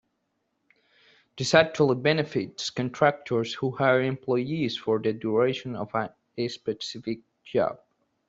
This actually benefits contractors who hire employees for the duration of a specific job.